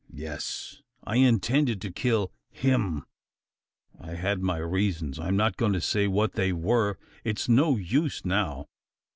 "Yes. I intended to kill him. I had my reasons. I'm not going to say what they were. It's no use now.